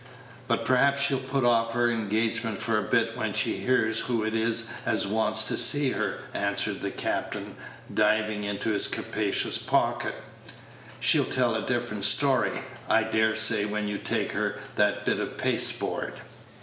"But perhaps she'll put off her engagements for a bit when she hears who it is as wants to see her," answered the captain, diving into his capacious pocket. "She'll tell a different story, I dare say, when you take her that bit of pasteboard."